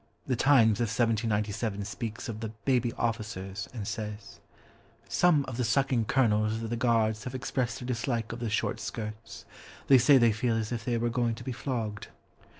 The Times of 1797 speaks of the "baby officers," and says— "Some of the sucking colonels of the Guards have expressed their dislike of the short skirts. They say they feel as if they were going to be flogged."